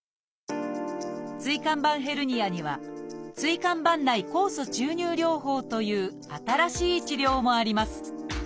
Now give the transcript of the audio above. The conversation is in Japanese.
椎間板ヘルニアには「椎間板内酵素注入療法」という新しい治療もあります。